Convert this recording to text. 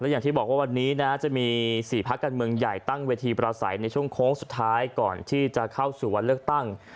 อย่างที่บอกว่าวันนี้นะจะมี๔พักการเมืองใหญ่ตั้งเวทีประสัยในช่วงโค้งสุดท้ายก่อนที่จะเข้าสู่วันเลือกตั้ง